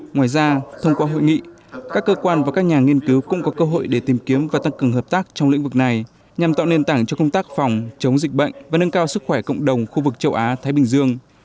ngoài ra thông qua hội nghị các cơ quan và các nhà nghiên cứu cũng có cơ hội để tìm kiếm và tăng cường hợp tác trong lĩnh vực này nhằm tạo nền tảng cho công tác phòng chống dịch bệnh và nâng cao sức khỏe cộng đồng khu vực châu á thái bình dương